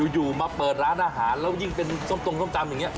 อยู่มาเปิดร้านอาหารแล้วยิ่งเป็นส้มตรงส้มตำอย่างนี้